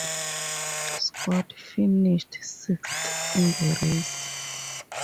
Scott finished sixth in the race.